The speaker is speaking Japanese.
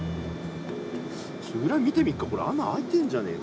ちょっと裏見てみっかこれ穴開いてんじゃねえか？